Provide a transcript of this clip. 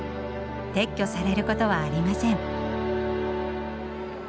撤去されることはありません。